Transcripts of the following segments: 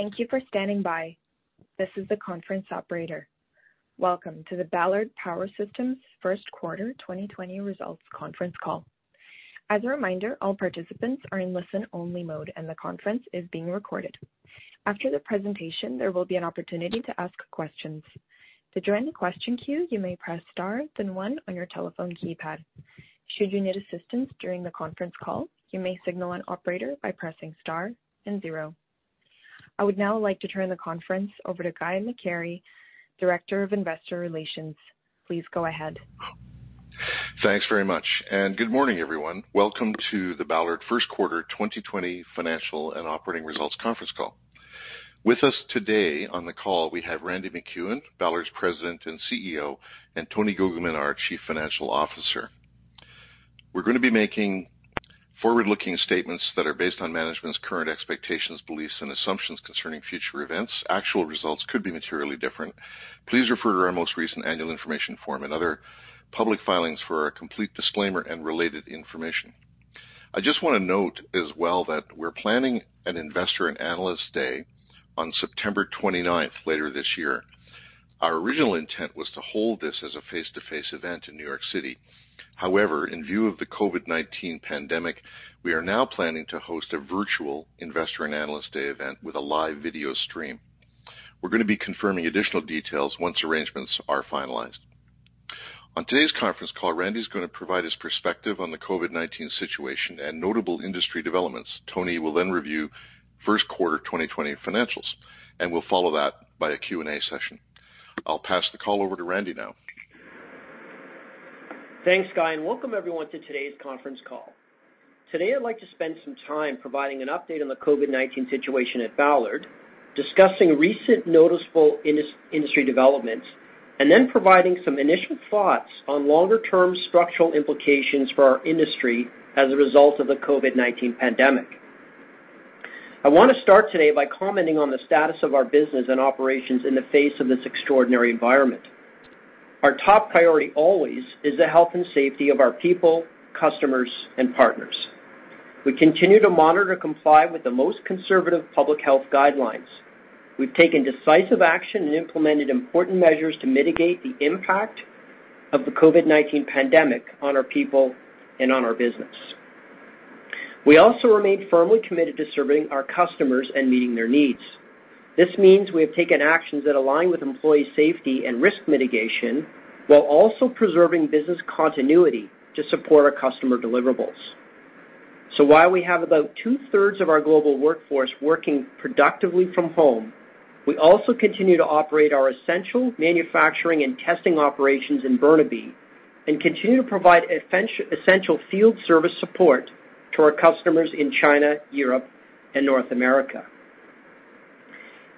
Thank you for standing by. This is the conference operator. Welcome to the Ballard Power Systems first quarter 2020 results conference call. As a reminder, all participants are in listen-only mode, and the conference is being recorded. After the presentation, there will be an opportunity to ask questions. To join the question queue, you may press star, then one on your telephone keypad. Should you need assistance during the conference call, you may signal an operator by pressing star and zero. I would now like to turn the conference over to Guy McAree, Director of Investor Relations. Please go ahead. Thanks very much. Good morning, everyone. Welcome to the Ballard First Quarter 2020 financial and operating results conference call. With us today on the call, we have Randy MacEwen, Ballard's President and CEO, and Tony Guglielmin, our Chief Financial Officer. We're going to be making forward-looking statements that are based on management's current expectations, beliefs, and assumptions concerning future events. Actual results could be materially different. Please refer to our most recent annual information form and other public filings for our complete disclaimer and related information. I just want to note as well that we're planning an Investor and Analyst Day on September 29th, later this year. Our original intent was to hold this as a face-to-face event in New York City. In view of the COVID-19 pandemic, we are now planning to host a virtual Investor and Analyst Day event with a live video stream. We're gonna be confirming additional details once arrangements are finalized. On today's conference call, Randy is gonna provide his perspective on the COVID-19 situation and notable industry developments. Tony will then review first quarter 2020 financials, we'll follow that by a Q&A session. I'll pass the call over to Randy now. Thanks, Guy. Welcome everyone to today's conference call. Today, I'd like to spend some time providing an update on the COVID-19 situation at Ballard, discussing recent noticeable industry developments, providing some initial thoughts on longer-term structural implications for our industry as a result of the COVID-19 pandemic. I want to start today by commenting on the status of our business and operations in the face of this extraordinary environment. Our top priority always is the health and safety of our people, customers, and partners. We continue to monitor and comply with the most conservative public health guidelines. We've taken decisive action and implemented important measures to mitigate the impact of the COVID-19 pandemic on our people and on our business. We also remain firmly committed to serving our customers and meeting their needs. This means we have taken actions that align with employee safety and risk mitigation, while also preserving business continuity to support our customer deliverables. While we have about two-thirds of our global workforce working productively from home, we also continue to operate our essential manufacturing and testing operations in Burnaby and continue to provide essential field service support to our customers in China, Europe, and North America.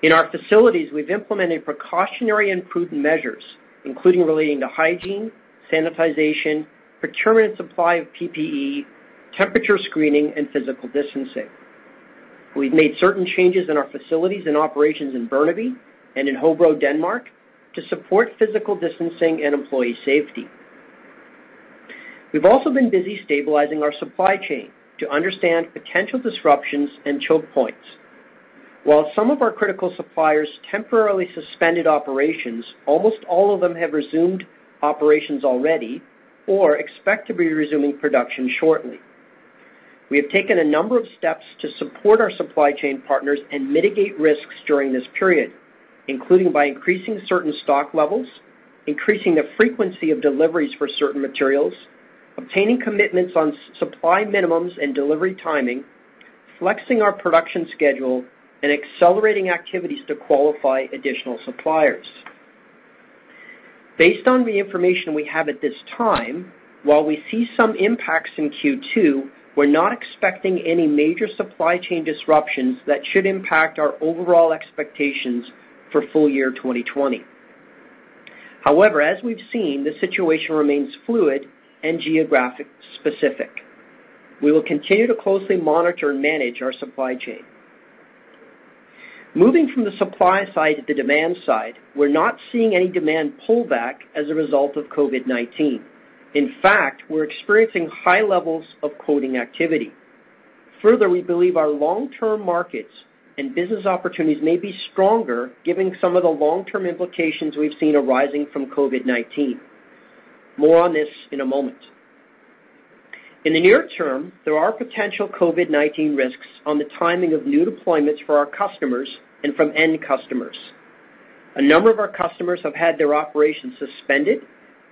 In our facilities, we've implemented precautionary and prudent measures, including relating to hygiene, sanitization, procurement supply of PPE, temperature screening, and physical distancing. We've made certain changes in our facilities and operations in Burnaby and in Hobro, Denmark, to support physical distancing and employee safety. We've also been busy stabilizing our supply chain to understand potential disruptions and choke points. While some of our critical suppliers temporarily suspended operations, almost all of them have resumed operations already or expect to be resuming production shortly. We have taken a number of steps to support our supply chain partners and mitigate risks during this period, including by increasing certain stock levels, increasing the frequency of deliveries for certain materials, obtaining commitments on supply minimums and delivery timing, flexing our production schedule, and accelerating activities to qualify additional suppliers. Based on the information we have at this time, while we see some impacts in Q2, we're not expecting any major supply chain disruptions that should impact our overall expectations for full year 2020. As we've seen, the situation remains fluid and geographic specific. We will continue to closely monitor and manage our supply chain. Moving from the supply side to the demand side, we're not seeing any demand pullback as a result of COVID-19. In fact, we're experiencing high levels of quoting activity. Further, we believe our long-term markets and business opportunities may be stronger, given some of the long-term implications we've seen arising from COVID-19. More on this in a moment. In the near term, there are potential COVID-19 risks on the timing of new deployments for our customers and from end customers. A number of our customers have had their operations suspended,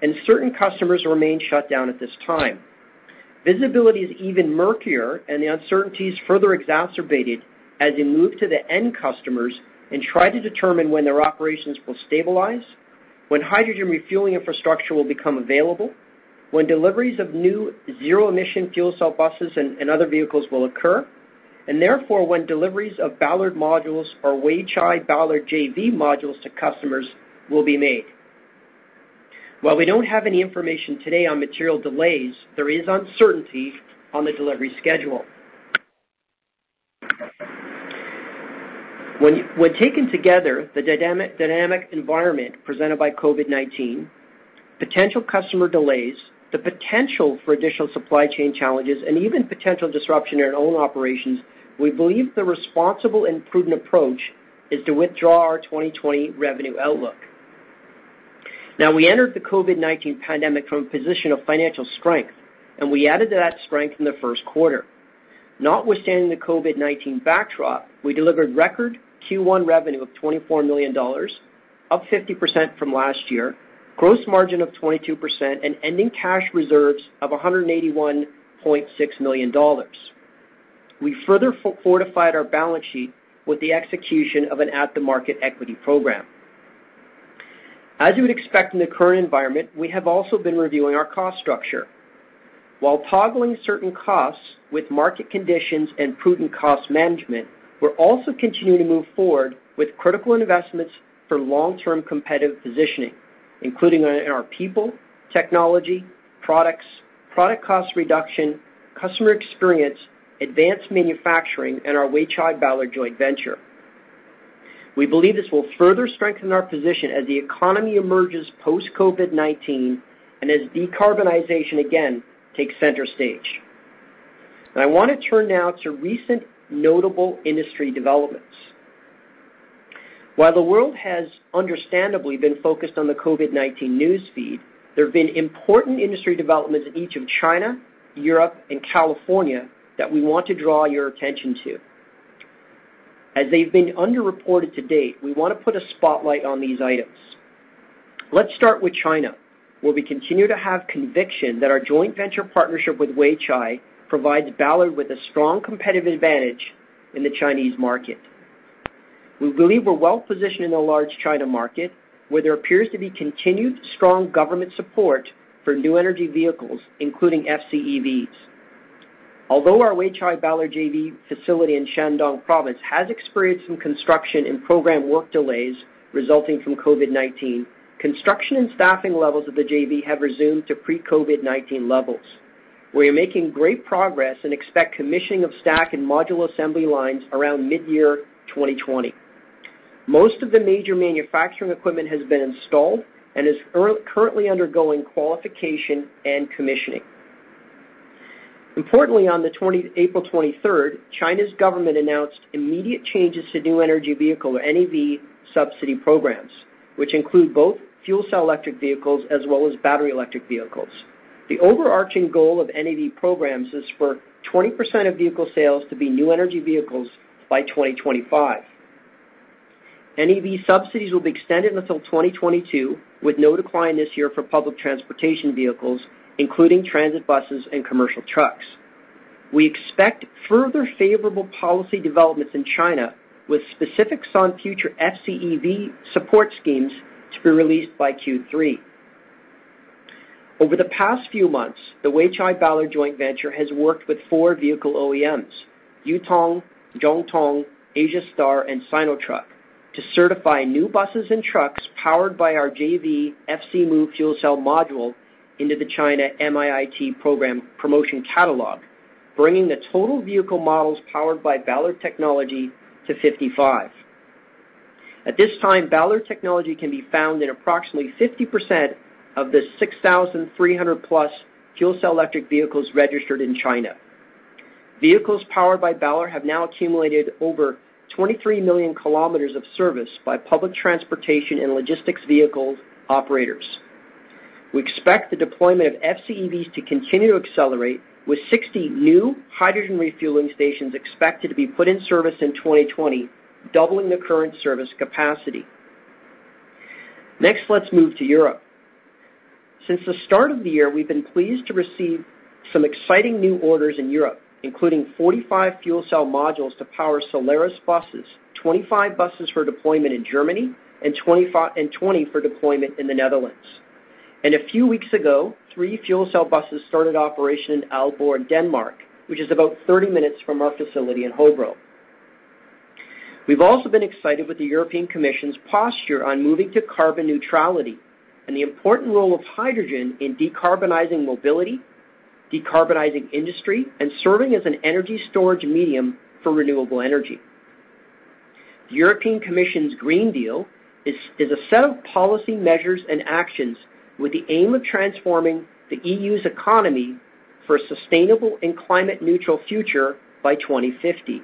and certain customers remain shut down at this time. Visibility is even murkier. The uncertainty is further exacerbated as you move to the end customers and try to determine when their operations will stabilize, when hydrogen refueling infrastructure will become available, when deliveries of new zero-emission fuel cell buses and other vehicles will occur, and therefore, when deliveries of Ballard modules or Weichai-Ballard JV modules to customers will be made. While we don't have any information today on material delays, there is uncertainty on the delivery schedule. When taken together, the dynamic environment presented by COVID-19, potential customer delays, the potential for additional supply chain challenges, and even potential disruption in our own operations, we believe the responsible and prudent approach is to withdraw our 2020 revenue outlook. We entered the COVID-19 pandemic from a position of financial strength. We added to that strength in the first quarter. Notwithstanding the COVID-19 backdrop, we delivered record Q1 revenue of $24 million, up 50% from last year, gross margin of 22%, and ending cash reserves of $181.6 million. We further fortified our balance sheet with the execution of an at-the-market equity program. As you would expect in the current environment, we have also been reviewing our cost structure. While toggling certain costs with market conditions and prudent cost management, we're also continuing to move forward with critical investments for long-term competitive positioning, including in our people, technology, products, product cost reduction, customer experience, advanced manufacturing, and our Weichai-Ballard joint venture. We believe this will further strengthen our position as the economy emerges post-COVID-19 and as decarbonization again takes center stage. I want to turn now to recent notable industry developments. While the world has understandably been focused on the COVID-19 news feed, there have been important industry developments in each of China, Europe, and California that we want to draw your attention to. As they've been underreported to date, we want to put a spotlight on these items. Let's start with China, where we continue to have conviction that our joint venture partnership with Weichai provides Ballard with a strong competitive advantage in the Chinese market. We believe we're well positioned in the large China market, where there appears to be continued strong government support for new energy vehicles, including FCEVs. Although our Weichai-Ballard JV facility in Shandong Province has experienced some construction and program work delays resulting from COVID-19, construction and staffing levels of the JV have resumed to pre-COVID-19 levels. We are making great progress and expect commissioning of stack and module assembly lines around midyear 2020. Most of the major manufacturing equipment has been installed and is currently undergoing qualification and commissioning. Importantly, on April 23rd, China's government announced immediate changes to new energy vehicle, or NEV, subsidy programs, which include both fuel cell electric vehicles as well as battery electric vehicles. The overarching goal of NEV programs is for 20% of vehicle sales to be new energy vehicles by 2025. NEV subsidies will be extended until 2022, with no decline this year for public transportation vehicles, including transit buses and commercial trucks. We expect further favorable policy developments in China, with specifics on future FCEV support schemes to be released by Q3. Over the past few months, the Weichai-Ballard joint venture has worked with four vehicle OEMs, Yutong, Zhongtong, Asiastar, and Sinotruk, to certify new buses and trucks powered by our JV FCmove fuel cell module into the China MIIT program promotion catalog, bringing the total vehicle models powered by Ballard technology to 55. At this time, Ballard technology can be found in approximately 50% of the 6,300+ fuel cell electric vehicles registered in China. Vehicles powered by Ballard have now accumulated over 23 million kilometers of service by public transportation and logistics vehicles operators. We expect the deployment of FCEVs to continue to accelerate, with 60 new hydrogen refueling stations expected to be put in service in 2020, doubling the current service capacity. Next, let's move to Europe. Since the start of the year, we've been pleased to receive some exciting new orders in Europe, including 45 fuel cell modules to power Solaris buses, 25 buses for deployment in Germany and 20 for deployment in the Netherlands. A few weeks ago, three fuel cell buses started operation in Aalborg, Denmark, which is about 30 minutes from our facility in Hobro. We've also been excited with the European Commission's posture on moving to carbon neutrality and the important role of hydrogen in decarbonizing mobility, decarbonizing industry, and serving as an energy storage medium for renewable energy. The European Commission's Green Deal is a set of policy measures and actions with the aim of transforming the EU's economy for a sustainable and climate-neutral future by 2050.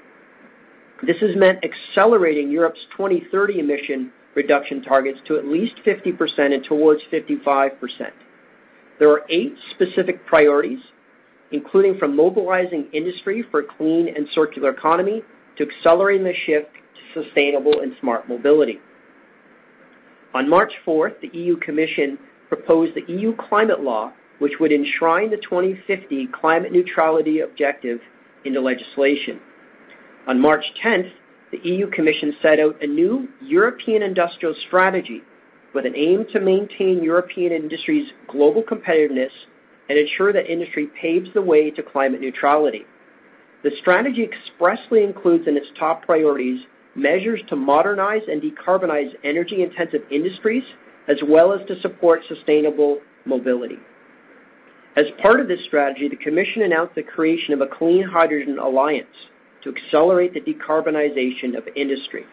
This has meant accelerating Europe's 2030 emission reduction targets to at least 50% and towards 55%. There are eight specific priorities, including from mobilizing industry for a clean and circular economy to accelerating the shift to sustainable and smart mobility. On March 4th, the European Commission proposed the European Climate Law, which would enshrine the 2050 climate neutrality objective into legislation. On March 10th, the European Commission set out a new European industrial strategy with an aim to maintain European industry's global competitiveness and ensure that industry paves the way to climate neutrality. The strategy expressly includes, in its top priorities, measures to modernize and decarbonize energy-intensive industries, as well as to support sustainable mobility. As part of this strategy, the Commission announced the creation of a Clean Hydrogen Alliance to accelerate the decarbonization of industry.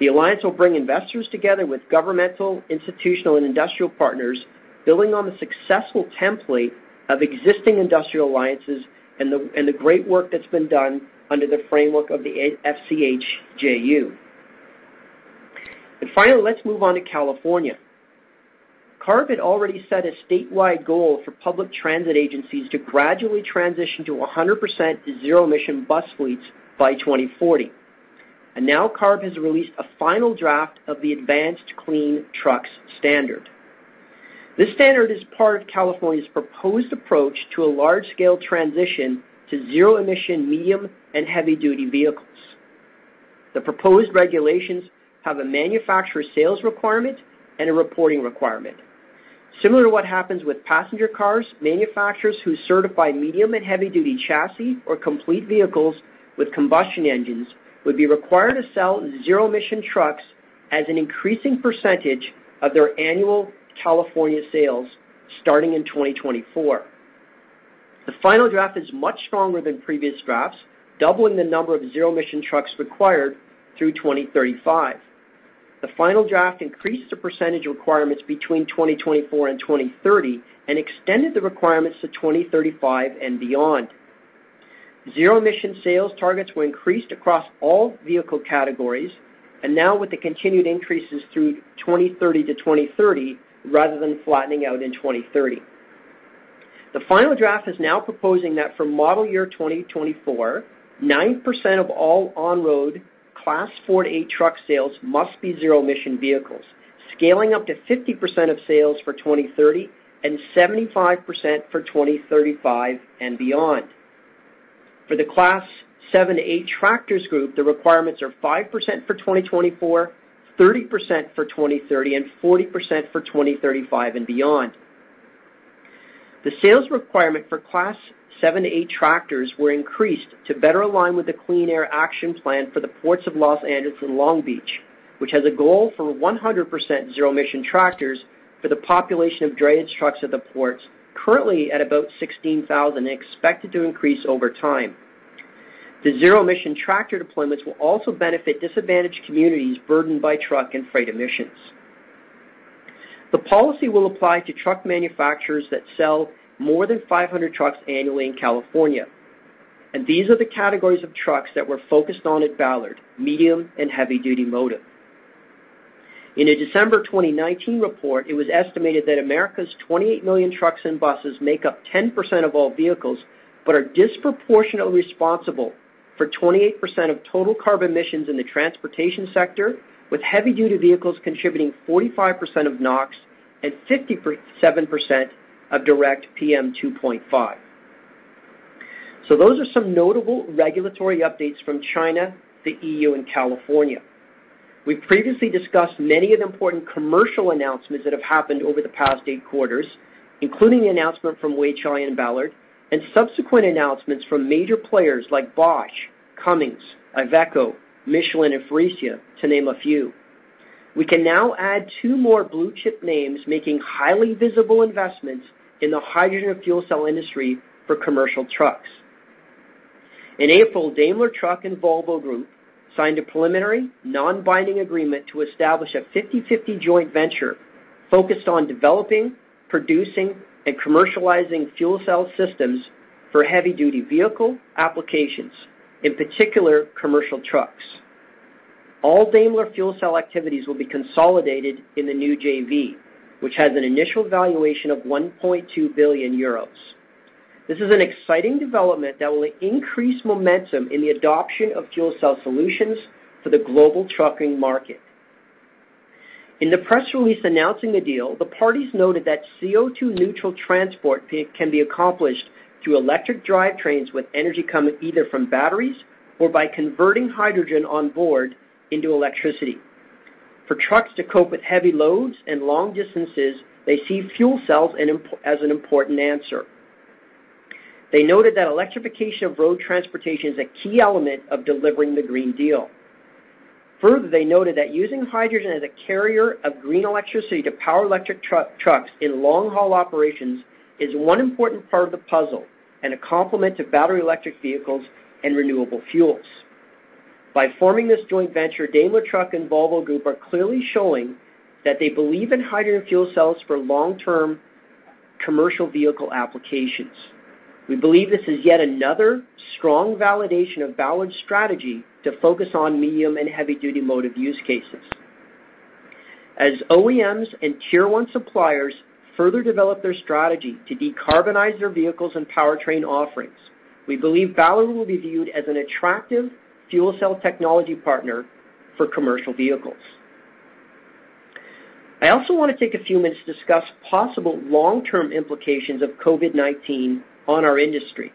The alliance will bring investors together with governmental, institutional, and industrial partners, building on the successful template of existing industrial alliances and the great work that's been done under the framework of the FCH JU. Finally, let's move on to California. CARB had already set a statewide goal for public transit agencies to gradually transition to 100% zero-emission bus fleets by 2040, and now CARB has released a final draft of the Advanced Clean Trucks standard. This standard is part of California's proposed approach to a large-scale transition to zero-emission, medium, and heavy-duty vehicles. The proposed regulations have a manufacturer sales requirement and a reporting requirement. Similar to what happens with passenger cars, manufacturers who certify medium and heavy-duty chassis or complete vehicles with combustion engines would be required to sell zero-emission trucks as an increasing % of their annual California sales starting in 2024. The final draft is much stronger than previous drafts, doubling the number of zero-emission trucks required through 2035. The final draft increased the % requirements between 2024 and 2030, and extended the requirements to 2035 and beyond. Zero-emission sales targets were increased across all vehicle categories, and now with the continued increases through 2030, rather than flattening out in 2030. The final draft is now proposing that for model year 2024, 9% of all on-road class four to eight truck sales must be zero-emission vehicles, scaling up to 50% of sales for 2030 and 75% for 2035 and beyond. For the class seven to eight tractors group, the requirements are 5% for 2024, 30% for 2030, and 40% for 2035 and beyond. The sales requirement for class seven to eight tractors were increased to better align with the Clean Air Action Plan for the ports of Los Angeles and Long Beach, which has a goal for 100% zero-emission tractors for the population of drayage trucks at the ports, currently at about 16,000, and expected to increase over time. The zero-emission tractor deployments will also benefit disadvantaged communities burdened by truck and freight emissions. The policy will apply to truck manufacturers that sell more than 500 trucks annually in California, and these are the categories of trucks that we're focused on at Ballard, medium and heavy-duty motive. In a December 2019 report, it was estimated that America's 28 million trucks and buses make up 10% of all vehicles, but are disproportionately responsible for 28% of total carbon emissions in the transportation sector, with heavy-duty vehicles contributing 45% of NOx and 57% of direct PM2.5. Those are some notable regulatory updates from China, the EU, and California. We've previously discussed many of the important commercial announcements that have happened over the past eight quarters, including the announcement from Weichai and Ballard, and subsequent announcements from major players like Bosch, Cummins, Iveco, Michelin, and Faurecia, to name a few. We can now add two more blue-chip names, making highly visible investments in the hydrogen fuel cell industry for commercial trucks. In April, Daimler Truck and Volvo Group signed a preliminary, non-binding agreement to establish a 50/50 joint venture focused on developing, producing, and commercializing fuel cell systems for heavy-duty vehicle applications, in particular, commercial trucks. All Daimler fuel cell activities will be consolidated in the new JV, which has an initial valuation of 1.2 billion euros. This is an exciting development that will increase momentum in the adoption of fuel cell solutions for the global trucking market. In the press release announcing the deal, the parties noted that CO₂ neutral transport can be accomplished through electric drivetrains, with energy coming either from batteries or by converting hydrogen on board into electricity. For trucks to cope with heavy loads and long distances, they see fuel cells as an important answer. They noted that electrification of road transportation is a key element of delivering the Green Deal. Further, they noted that using hydrogen as a carrier of green electricity to power electric trucks in long-haul operations is one important part of the puzzle and a complement to battery electric vehicles and renewable fuels. By forming this joint venture, Daimler Truck and Volvo Group are clearly showing that they believe in hydrogen fuel cells for long-term commercial vehicle applications. We believe this is yet another strong validation of Ballard's strategy to focus on medium and heavy-duty motive use cases. As OEMs and Tier 1 suppliers further develop their strategy to decarbonize their vehicles and powertrain offerings, we believe Ballard will be viewed as an attractive fuel cell technology partner for commercial vehicles. I also want to take a few minutes to discuss possible long-term implications of COVID-19 on our industry.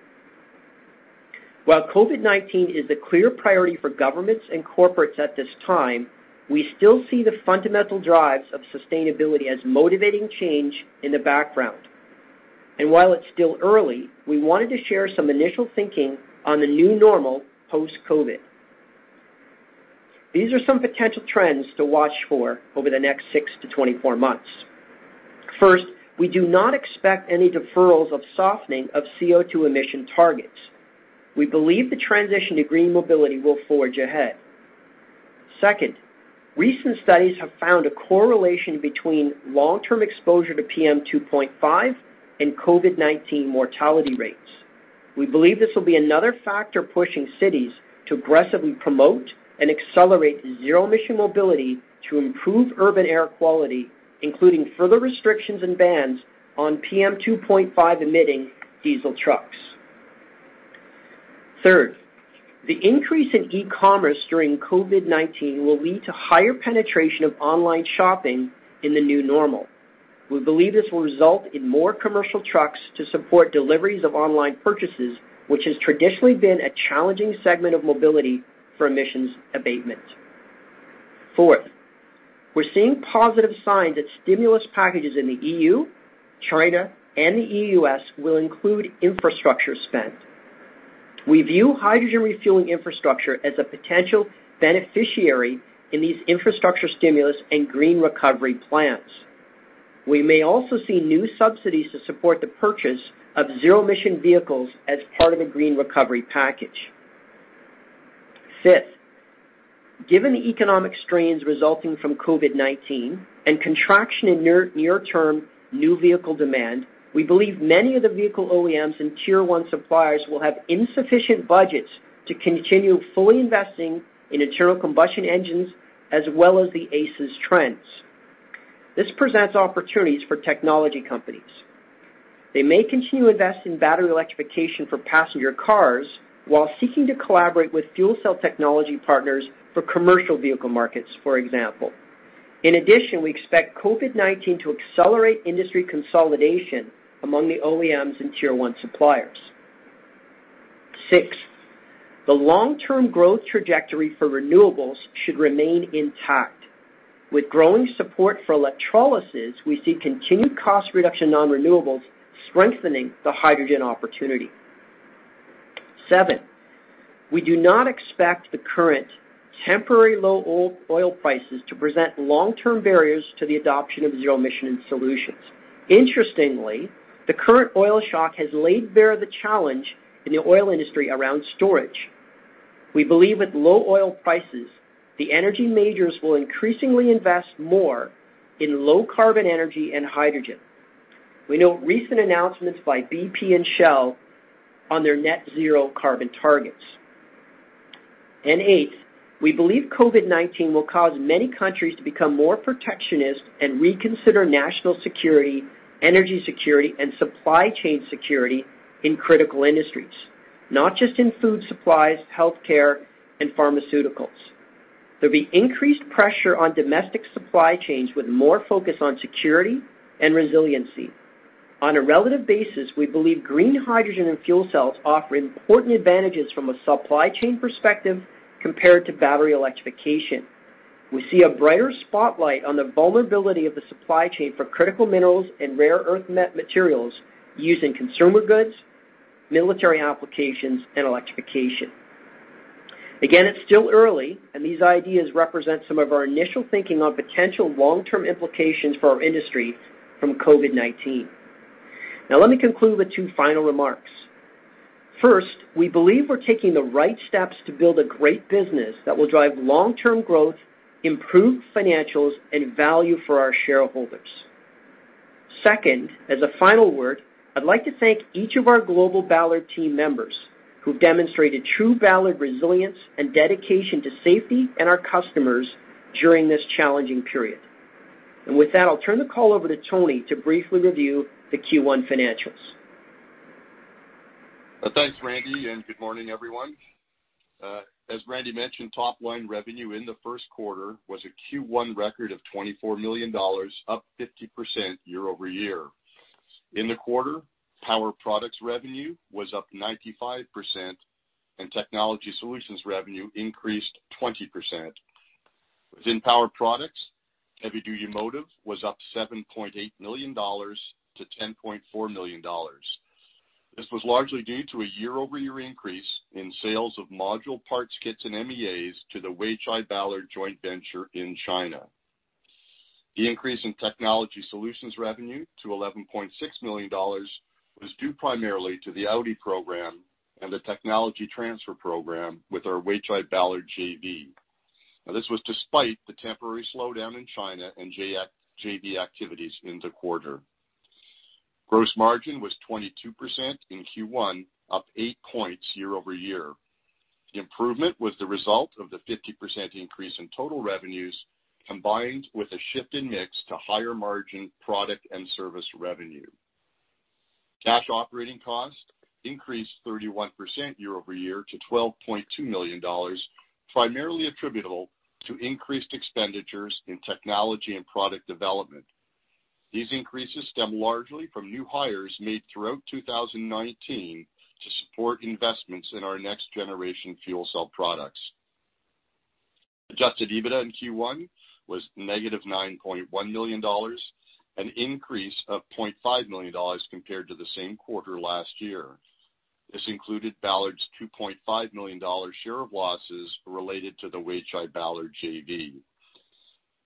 While COVID-19 is the clear priority for governments and corporates at this time, we still see the fundamental drives of sustainability as motivating change in the background. While it's still early, we wanted to share some initial thinking on the new normal post-COVID.... These are some potential trends to watch for over the next six-24 months. First, we do not expect any deferrals of softening of CO₂ emission targets. We believe the transition to green mobility will forge ahead. Second, recent studies have found a correlation between long-term exposure to PM2.5 and COVID-19 mortality rates. We believe this will be another factor pushing cities to aggressively promote and accelerate zero emission mobility to improve urban air quality, including further restrictions and bans on PM2.5-emitting diesel trucks. Third, the increase in e-commerce during COVID-19 will lead to higher penetration of online shopping in the new normal. We believe this will result in more commercial trucks to support deliveries of online purchases, which has traditionally been a challenging segment of mobility for emissions abatement. Fourth, we're seeing positive signs that stimulus packages in the EU, China, and the U.S. will include infrastructure spend. We view hydrogen refueling infrastructure as a potential beneficiary in these infrastructure stimulus and green recovery plans. We may also see new subsidies to support the purchase of zero emission vehicles as part of a green recovery package. Fifth, given the economic strains resulting from COVID-19 and contraction in near-term new vehicle demand, we believe many of the vehicle OEMs and Tier 1 suppliers will have insufficient budgets to continue fully investing in internal combustion engines, as well as the ACES trends. This presents opportunities for technology companies. They may continue to invest in battery electrification for passenger cars, while seeking to collaborate with fuel cell technology partners for commercial vehicle markets, for example. In addition, we expect COVID-19 to accelerate industry consolidation among the OEMs and Tier 1 suppliers. Sixth, the long-term growth trajectory for renewables should remain intact. With growing support for electrolysis, we see continued cost reduction non-renewables strengthening the hydrogen opportunity. Seven, we do not expect the current temporary low oil prices to present long-term barriers to the adoption of zero emission solutions. Interestingly, the current oil shock has laid bare the challenge in the oil industry around storage. We believe with low oil prices, the energy majors will increasingly invest more in low carbon energy and hydrogen. We note recent announcements by BP and Shell on their net zero carbon targets. Eighth, we believe COVID-19 will cause many countries to become more protectionist and reconsider national security, energy security, and supply chain security in critical industries, not just in food supplies, healthcare, and pharmaceuticals. There'll be increased pressure on domestic supply chains with more focus on security and resiliency. On a relative basis, we believe green hydrogen and fuel cells offer important advantages from a supply chain perspective compared to battery electrification. We see a brighter spotlight on the vulnerability of the supply chain for critical minerals and rare earth materials used in consumer goods, military applications, and electrification. Again, it's still early, and these ideas represent some of our initial thinking on potential long-term implications for our industry from COVID-19. Now, let me conclude with two final remarks. First, we believe we're taking the right steps to build a great business that will drive long-term growth, improved financials, and value for our shareholders. Second, as a final word, I'd like to thank each of our global Ballard team members, who've demonstrated true Ballard resilience and dedication to safety and our customers during this challenging period. With that, I'll turn the call over to Tony to briefly review the Q1 financials. Thanks, Randy, and good morning, everyone. As Randy mentioned, top line revenue in the first quarter was a Q1 record of $24 million, up 50% year-over-year. In the quarter, power products revenue was up 95%, and technology solutions revenue increased 20%. Within power products, heavy-duty motive was up $7.8 million to $10.4 million. This was largely due to a year-over-year increase in sales of module parts, kits, and MEAs to the Weichai-Ballard JV in China. The increase in technology solutions revenue to $11.6 million was due primarily to the Audi program and the technology transfer program with our Weichai-Ballard JV. Now, this was despite the temporary slowdown in China and JV activities in the quarter. Gross margin was 22% in Q1, up eight points year-over-year. The improvement was the result of the 50% increase in total revenues, combined with a shift in mix to higher margin product and service revenue. Cash operating cost increased 31% year-over-year to $12.2 million, primarily attributable to increased expenditures in technology and product development. These increases stem largely from new hires made throughout 2019 to support investments in our next generation fuel cell products. Adjusted EBITDA in Q1 was -$9.1 million, an increase of $0.5 million compared to the same quarter last year. This included Ballard's $2.5 million share of losses related to the Weichai-Ballard JV.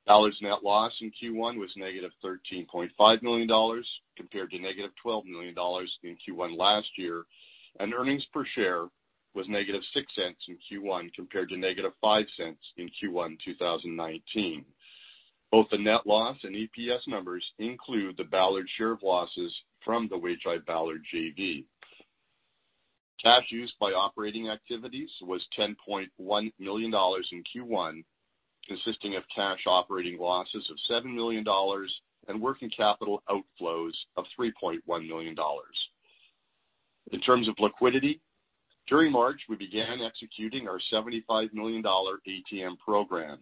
Ballard's net loss in Q1 was -$13.5 million, compared to -$12 million in Q1 last year, and earnings per share was -$0.06 in Q1, compared to -$0.05 in Q1 2019. Both the net loss and EPS numbers include the Ballard share of losses from the Weichai-Ballard JV. Cash used by operating activities was $10.1 million in Q1, consisting of cash operating losses of $7 million and working capital outflows of $3.1 million. In terms of liquidity, during March, we began executing our $75 million ATM program.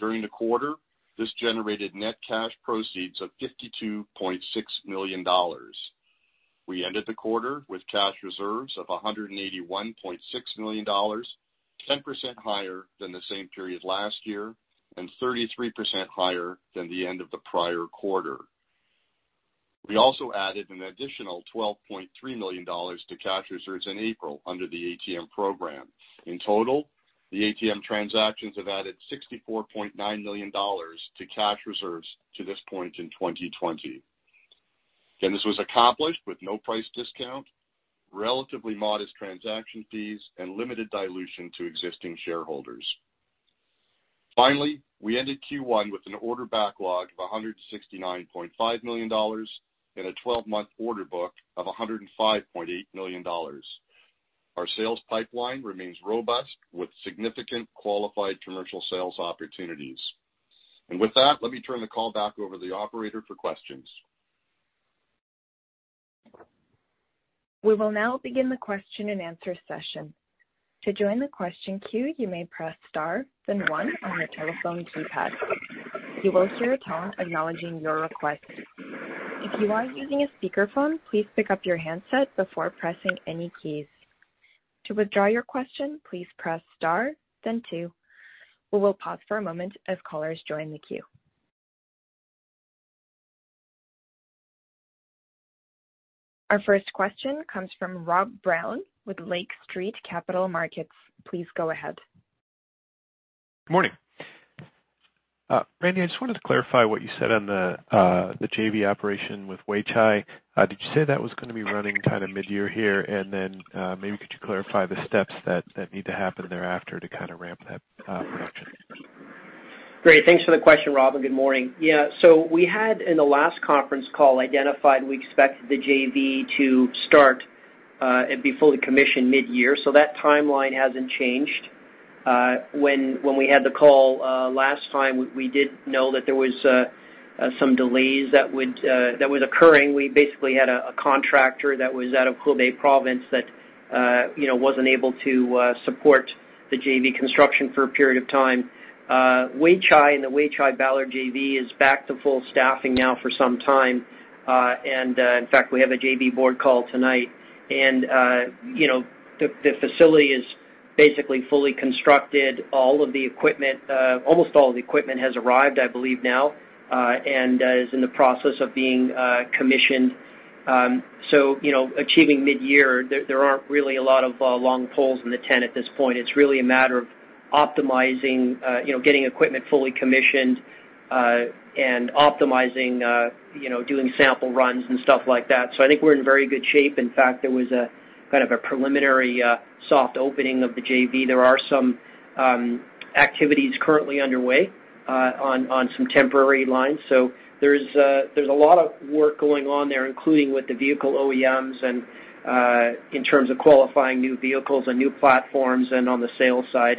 During the quarter, this generated net cash proceeds of $52.6 million. We ended the quarter with cash reserves of $181.6 million, 10% higher than the same period last year, and 33% higher than the end of the prior quarter. We also added an additional $12.3 million to cash reserves in April under the ATM program. In total, the ATM transactions have added $64.9 million to cash reserves to this point in 2020. This was accomplished with no price discount, relatively modest transaction fees, and limited dilution to existing shareholders. Finally, we ended Q1 with an order backlog of $169.5 million and a 12-month order book of $105.8 million. Our sales pipeline remains robust, with significant qualified commercial sales opportunities. With that, let me turn the call back over to the operator for questions. We will now begin the question-and-answer session. To join the question queue, you may press star, then one on your telephone keypad. You will hear a tone acknowledging your request. If you are using a speakerphone, please pick up your handset before pressing any keys. To withdraw your question, please press star then two. We will pause for a moment as callers join the queue. Our first question comes from Rob Brown with Lake Street Capital Markets. Please go ahead. Good morning. Randy, I just wanted to clarify what you said on the JV operation with Weichai. Did you say that was gonna be running kind of midyear here? Maybe could you clarify the steps that need to happen thereafter to kind of ramp that production? Great, thanks for the question, Rob, and good morning. We had, in the last conference call, identified we expected the JV to start and be fully commissioned midyear, so that timeline hasn't changed. When we had the call last time, we did know that there was some delays that was occurring. We basically had a contractor that was out of Hubei province that, you know, wasn't able to support the JV construction for a period of time. Weichai and the Weichai-Ballard JV is back to full staffing now for some time, and in fact, we have a JV board call tonight. And, you know, the facility is basically fully constructed. All of the equipment, almost all of the equipment has arrived, I believe now, and is in the process of being commissioned. You know, achieving midyear, there aren't really a lot of long poles in the tent at this point. It's really a matter of optimizing, you know, getting equipment fully commissioned, and optimizing, you know, doing sample runs and stuff like that. I think we're in very good shape. In fact, there was a kind of a preliminary, soft opening of the JV. There are some activities currently underway on some temporary lines. There's a lot of work going on there, including with the vehicle OEMs and in terms of qualifying new vehicles and new platforms and on the sales side.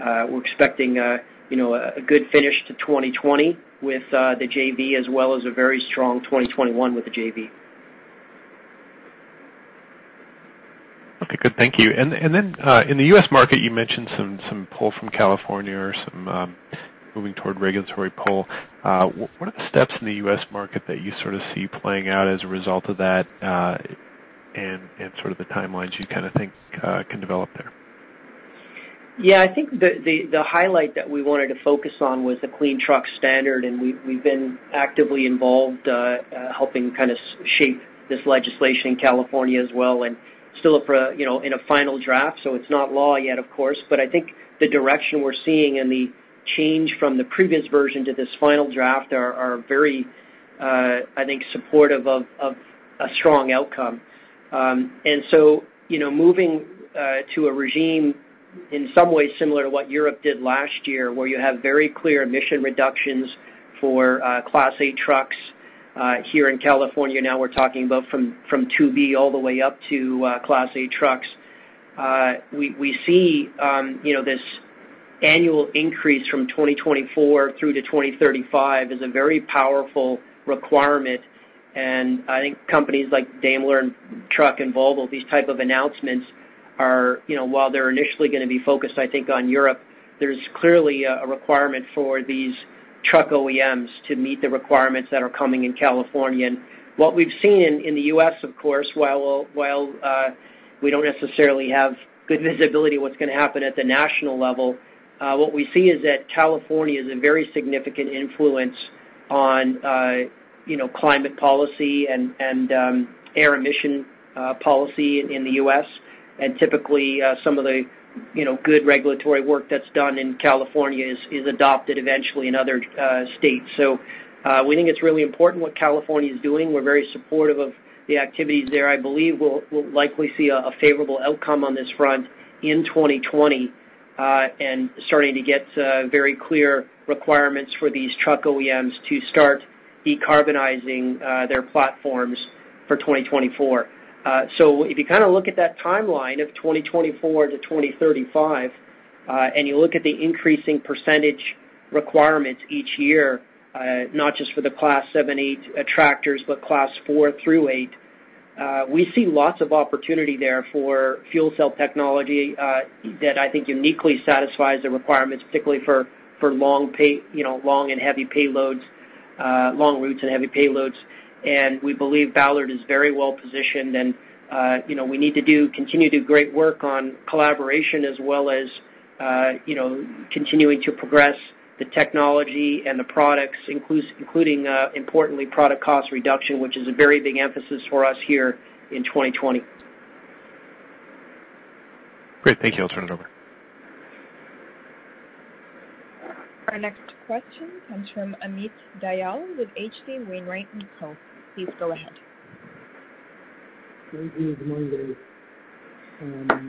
We're expecting a, you know, a good finish to 2020 with the JV, as well as a very strong 2021 with the JV. Okay, good. Thank you. Then, in the U.S. market, you mentioned some pull from California or some moving toward regulatory pull. What are the steps in the U.S. market that you sort of see playing out as a result of that, and sort of the timelines you kind of think, can develop there? Yeah, I think the highlight that we wanted to focus on was the Clean Truck Standard, we've been actively involved helping kind of shape this legislation in California as well. Still up for, you know, in a final draft, so it's not law yet, of course. I think the direction we're seeing and the change from the previous version to this final draft are very, I think, supportive of a strong outcome. You know, moving to a regime in some ways similar to what Europe did last year, where you have very clear emission reductions for Class A trucks here in California. Now we're talking about from 2B all the way up to Class A trucks. We see, you know, this annual increase from 2024 through to 2035 is a very powerful requirement. I think companies like Daimler and Truck and Volvo, these type of announcements are, you know, while they're initially gonna be focused, I think, on Europe, there's clearly a requirement for these truck OEMs to meet the requirements that are coming in California. What we've seen in the U.S., of course, while we don't necessarily have good visibility in what's gonna happen at the national level, what we see is that California is a very significant influence on, you know, climate policy and air emission policy in the U.S. Typically, you know, some of the good regulatory work that's done in California is adopted eventually in other states. We think it's really important what California is doing. We're very supportive of the activities there. I believe we'll likely see a favorable outcome on this front in 2020 and starting to get very clear requirements for these truck OEMs to start decarbonizing their platforms for 2024. If you kind of look at that timeline of 2024 to 2035 and you look at the increasing percentage requirements each year, not just for the class seven, eight tractors, but class four through eight, we see lots of opportunity there for fuel cell technology that I think uniquely satisfies the requirements, particularly for long you know, long and heavy payloads, long routes and heavy payloads. We believe Ballard is very well positioned, and, you know, we need to continue to do great work on collaboration as well as, you know, continuing to progress the technology and the products, including, importantly, product cost reduction, which is a very big emphasis for us here in 2020. Great. Thank you. I'll turn it over. Our next question comes from Amit Dayal with H.C. Wainwright & Co. Please go ahead. Thank you. Good morning, guys.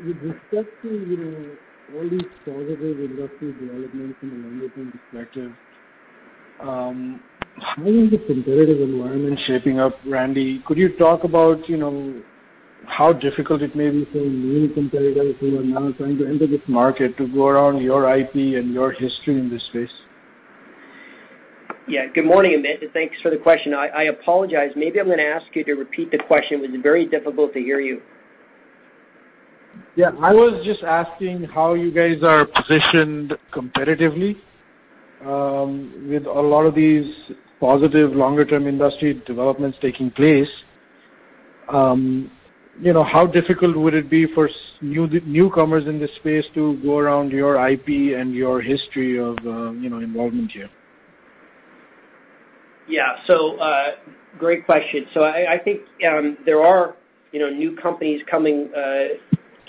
With respect to, you know, all these positive industrial developments in the longer term perspective, how is this competitive environment shaping up, Randy? Could you talk about, you know, how difficult it may be for new competitors who are now trying to enter this market to go around your IP and your history in this space? Yeah. Good morning, Amit, and thanks for the question. I apologize. Maybe I'm gonna ask you to repeat the question. It was very difficult to hear you. I was just asking how you guys are positioned competitively, with a lot of these positive longer term industry developments taking place, you know, how difficult would it be for newcomers in this space to go around your IP and your history of, you know, involvement here? Great question. I think, there are, you know, new companies coming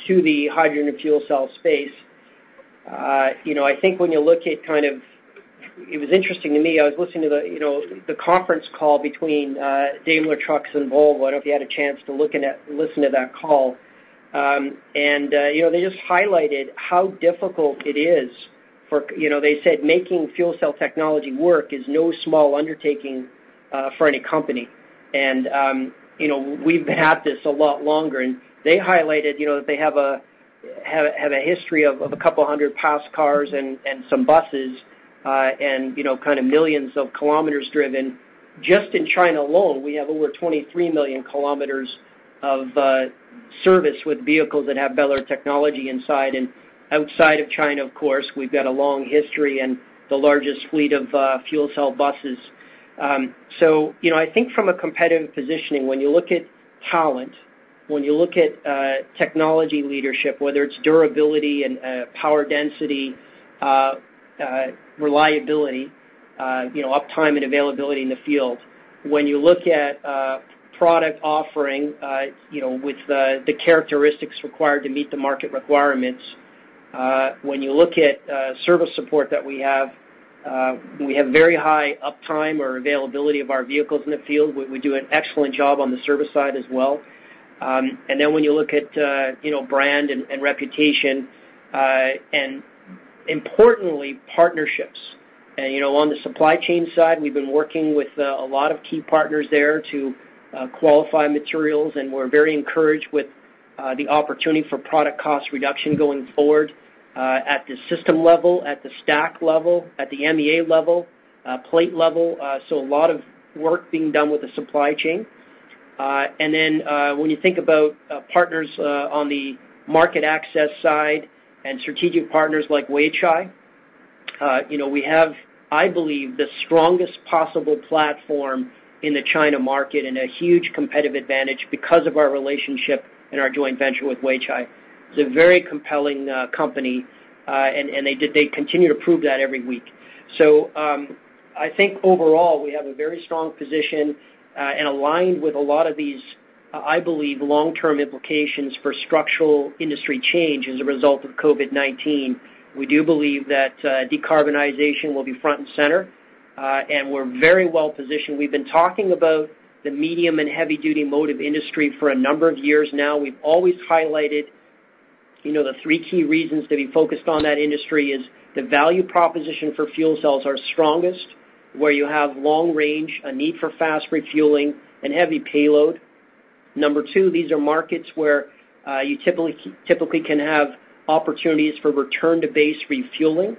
to the hydrogen and fuel cell space. You know, I think when you look at it was interesting to me, I was listening to the, you know, the conference call between Daimler Truck and Volvo. I don't know if you had a chance to listen to that call. They just highlighted how difficult it is for... You know, they said making fuel cell technology work is no small undertaking for any company. We've had this a lot longer, and they highlighted, you know, that they have a history of a couple hundred passenger cars and some buses, and, you know, kind of millions of kilometers driven. Just in China alone, we have over 23 million kilometers of service with vehicles that have Ballard technology inside. Outside of China, of course, we've got a long history and the largest fleet of fuel cell buses. You know, I think from a competitive positioning, when you look at talent, when you look at technology leadership, whether it's durability and power density, reliability, you know, uptime and availability in the field. When you look at product offering, you know, with the characteristics required to meet the market requirements, when you look at service support that we have, we have very high uptime or availability of our vehicles in the field. We do an excellent job on the service side as well. When you look at, you know, brand and reputation, and importantly, partnerships. You know, on the supply chain side, we've been working with a lot of key partners there to qualify materials, and we're very encouraged with the opportunity for product cost reduction going forward, at the system level, at the stack level, at the MEA level, plate level. A lot of work being done with the supply chain. When you think about partners, on the market access side and strategic partners like Weichai, you know, we have, I believe, the strongest possible platform in the China market and a huge competitive advantage because of our relationship and our joint venture with Weichai. It's a very compelling company, and they continue to prove that every week. I think overall, we have a very strong position, and aligned with a lot of these, I believe, long-term implications for structural industry change as a result of COVID-19. We do believe that, decarbonization will be front and center, and we're very well-positioned. We've been talking about the medium and heavy-duty motive industry for a number of years now. We've always highlighted, you know, the three key reasons to be focused on that industry is the value proposition for fuel cells are strongest, where you have long range, a need for fast refueling and heavy payload. Number 2, these are markets where, you typically can have opportunities for return to base refueling.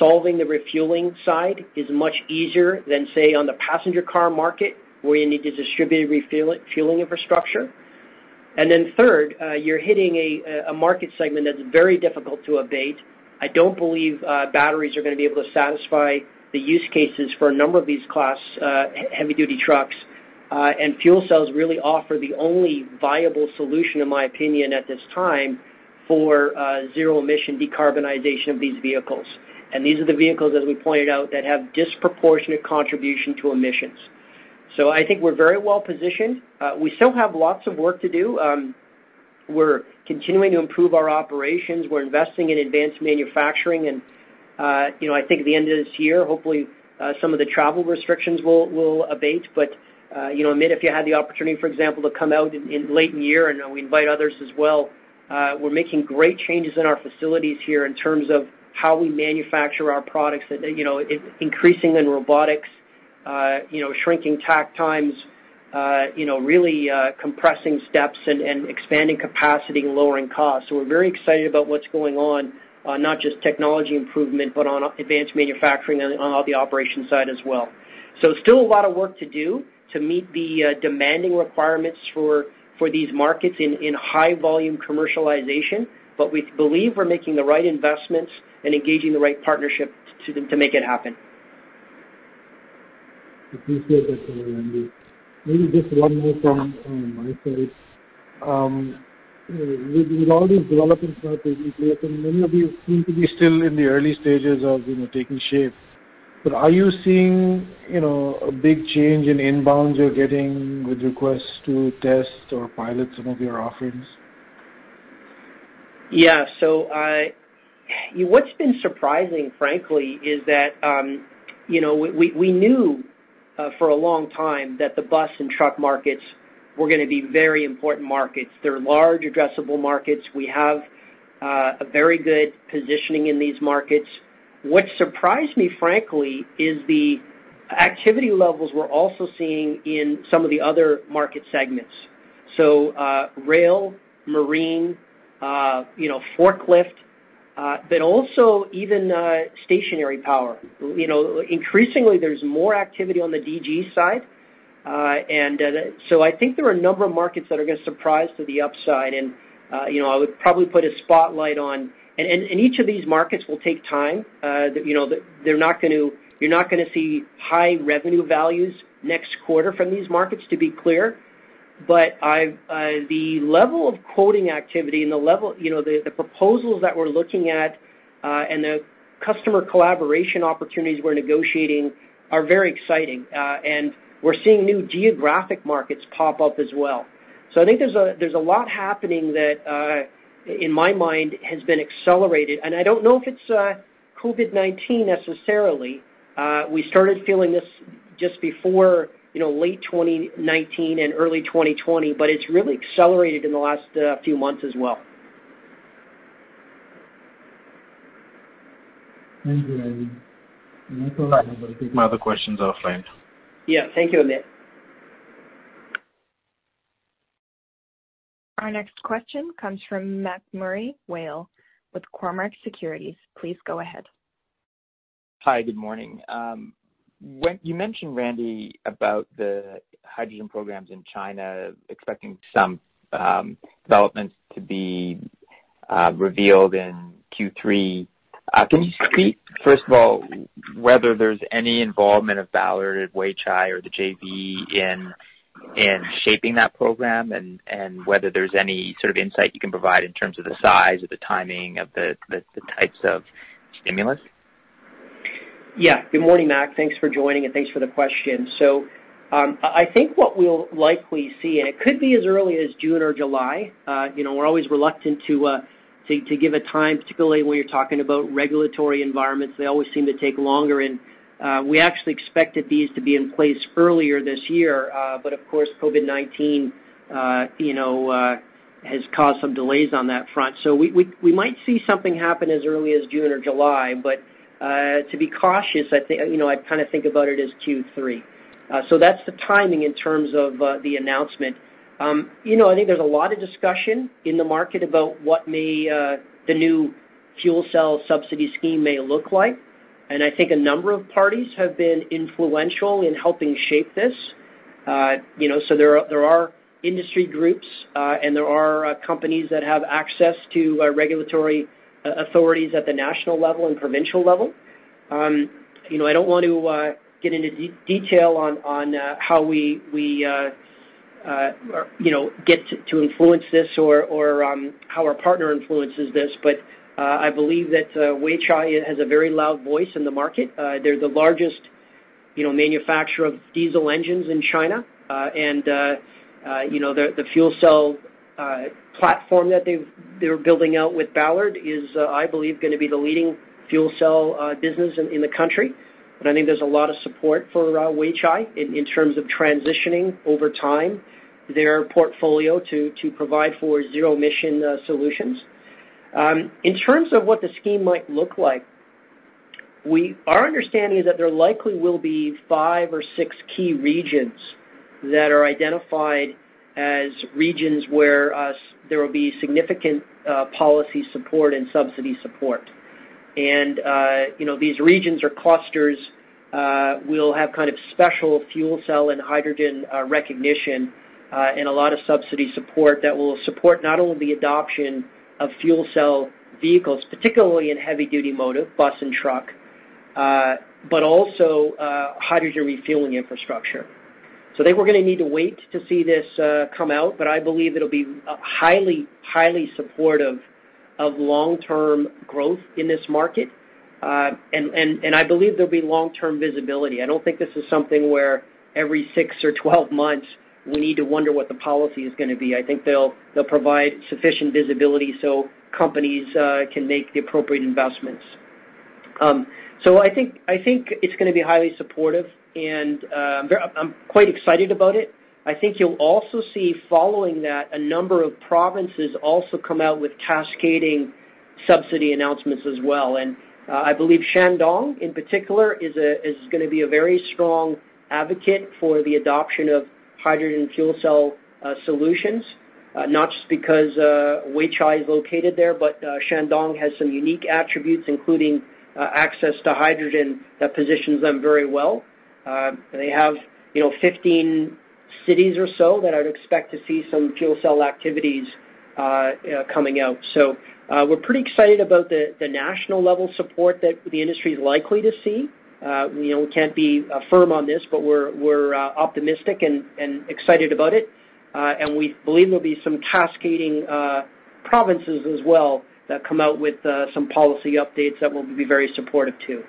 Solving the refueling side is much easier than, say, on the passenger car market, where you need to distribute fueling infrastructure. Then third, you're hitting a market segment that's very difficult to abate. I don't believe batteries are gonna be able to satisfy the use cases for a number of these class heavy-duty trucks. Fuel cells really offer the only viable solution, in my opinion, at this time, for zero emission decarbonization of these vehicles. These are the vehicles, as we pointed out, that have disproportionate contribution to emissions. I think we're very well positioned. We still have lots of work to do. We're continuing to improve our operations. We're investing in advanced manufacturing, and, you know, I think at the end of this year, hopefully, some of the travel restrictions will abate. You know, Amit, if you had the opportunity, for example, to come out in late year, and we invite others as well, we're making great changes in our facilities here in terms of how we manufacture our products, that, you know, increasing in robotics, you know, shrinking tack times, you know, really, compressing steps and expanding capacity and lowering costs. We're very excited about what's going on, not just technology improvement, but on advanced manufacturing and on all the operation side as well. still a lot of work to do to meet the demanding requirements for these markets in high-volume commercialization, but we believe we're making the right investments and engaging the right partnership to make it happen. Appreciate that, Randy. Maybe just one more time on my side. With all these developments that are taking place, and many of you seem to be still in the early stages of, you know, taking shape, but are you seeing, you know, a big change in inbounds you're getting with requests to test or pilot some of your offerings? Yeah. What's been surprising, frankly, is that, you know, we knew for a long time that the bus and truck markets were gonna be very important markets. They're large addressable markets. We have a very good positioning in these markets. What surprised me, frankly, is the activity levels we're also seeing in some of the other market segments, so, rail, marine, you know, forklift, but also even stationary power. You know, increasingly, there's more activity on the DG side. I think there are a number of markets that are gonna surprise to the upside, and, you know, I would probably put a spotlight on... Each of these markets will take time. You know, you're not gonna see high revenue values next quarter from these markets, to be clear. I've the level of quoting activity and the level, you know, the proposals that we're looking at, and the customer collaboration opportunities we're negotiating are very exciting, and we're seeing new geographic markets pop up as well. I think there's a, there's a lot happening that in my mind, has been accelerated, and I don't know if it's COVID-19 necessarily. We started feeling this just before, you know, late 2019 and early 2020, but it's really accelerated in the last few months as well. Thank you, Randy. Right. I think my other questions are offline. Yeah. Thank you, Amit. Our next question comes from MacMurray Whale with Cormark Securities. Please go ahead. Hi, good morning. You mentioned, Randy, about the hydrogen programs in China, expecting some developments to be revealed in Q3. Can you speak, first of all, whether there's any involvement of Ballard, Weichai, or the JV in shaping that program, and whether there's any sort of insight you can provide in terms of the size or the timing of the types of stimulus? Yeah. Good morning, Mac. Thanks for joining, and thanks for the question. I think what we'll likely see, and it could be as early as June or July, you know, we're always reluctant to give a time, particularly when you're talking about regulatory environments. They always seem to take longer. We actually expected these to be in place earlier this year, of course, COVID-19, you know, has caused some delays on that front. We might see something happen as early as June or July, to be cautious, I think, you know, I kind of think about it as Q3. That's the timing in terms of the announcement. You know, I think there's a lot of discussion in the market about what may the new fuel cell subsidy scheme may look like, and I think a number of parties have been influential in helping shape this. You know, there are industry groups, and there are companies that have access to regulatory authorities at the national level and provincial level. You know, I don't want to get into detail on how we, you know, get to influence this or, how our partner influences this, but I believe that Weichai has a very loud voice in the market. They're the largest, you know, manufacturer of diesel engines in China. you know, the fuel cell platform that they're building out with Ballard is, I believe, gonna be the leading fuel cell business in the country. I think there's a lot of support for Weichai in terms of transitioning over time, their portfolio to provide for zero emission solutions. In terms of what the scheme might look like, our understanding is that there likely will be five or six key regions that are identified as regions where there will be significant policy support and subsidy support. you know, these regions or clusters will have kind of special fuel cell and hydrogen recognition and a lot of subsidy support that will support not only the adoption of fuel cell vehicles, particularly in heavy-duty motive, bus and truck-. but also, hydrogen refueling infrastructure. I think we're gonna need to wait to see this come out, but I believe it'll be highly supportive of long-term growth in this market. I believe there'll be long-term visibility. I don't think this is something where every six or 12 months we need to wonder what the policy is gonna be. I think they'll provide sufficient visibility so companies can make the appropriate investments. I think it's gonna be highly supportive, and very I'm quite excited about it. I think you'll also see, following that, a number of provinces also come out with cascading subsidy announcements as well. I believe Shandong, in particular, is gonna be a very strong advocate for the adoption of hydrogen fuel cell solutions, not just because Weichai is located there, but Shandong has some unique attributes, including access to hydrogen, that positions them very well. They have, you know, 15 cities or so that I'd expect to see some fuel cell activities, you know, coming out. We're pretty excited about the national level support that the industry is likely to see. You know, we can't be firm on this, but we're optimistic and excited about it. We believe there'll be some cascading provinces as well, that come out with some policy updates that will be very supportive, too.